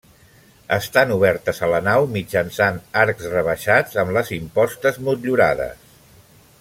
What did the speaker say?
Estan obertes a la nau mitjançant arcs rebaixats amb les impostes motllurades.